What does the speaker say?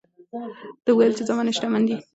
ده وویل چې زامن یې شتمن دي.